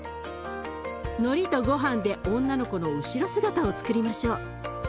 のりとごはんで女の子の後ろ姿をつくりましょう。